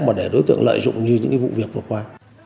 mà để đối tượng lợi dụng như những vụ việc vừa qua